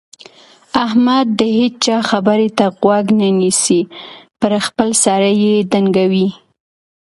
احمد د هيچا خبرې ته غوږ نه نيسي؛ پر خپل سر يې ډنګوي.